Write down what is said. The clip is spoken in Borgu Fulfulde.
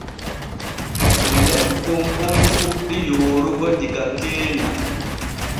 Lekkon kon fuɗɗi yoorugo diga keenya.